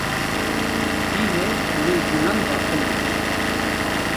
Dîn e lê dînan baqil dike